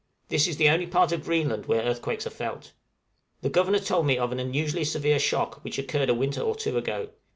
This is the only part of Greenland where earthquakes are felt. The Governor told me of an unusually severe shock which occurred a winter or two ago.